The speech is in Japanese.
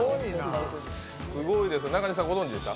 すごいですね、中西さんご存じでした？